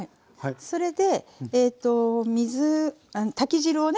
それで炊き汁をね